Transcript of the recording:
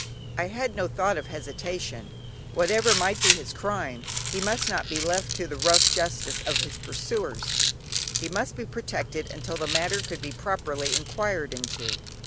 I had no thought of hesitation, whatever might be his crime he must not be left to the rough justice of his pursuers, he must be protected until the matter could be properly inquired into.